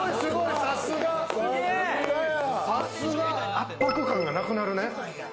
圧迫感がなくなるね。